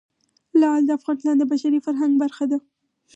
لعل د افغانستان د بشري فرهنګ برخه ده.